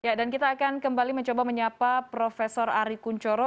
ya dan kita akan kembali mencoba menyapa prof ari kunchoro